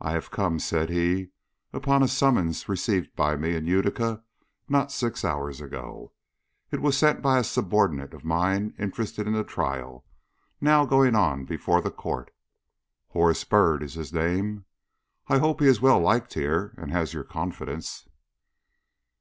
"I have come," said he, "upon a summons received by me in Utica not six hours ago. It was sent by a subordinate of mine interested in the trial now going on before the court. Horace Byrd is his name. I hope he is well liked here and has your confidence."